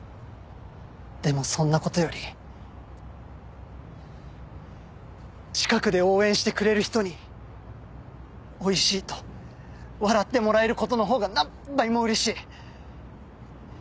でもそんな事より近くで応援してくれる人においしいと笑ってもらえる事のほうが何倍も嬉しい。